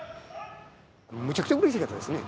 むちゃくちゃうれしかったですね。